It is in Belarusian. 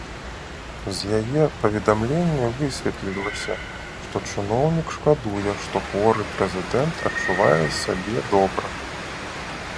З яе паведамлення высветлілася, што чыноўнік шкадуе, што хворы прэзідэнт адчувае сябе добра.